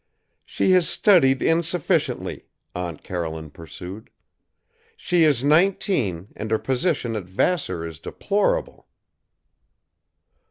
"She has studied insufficiently," Aunt Caroline pursued. "She is nineteen, and her position at Vassar is deplorable."